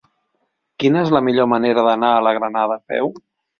Quina és la millor manera d'anar a la Granada a peu?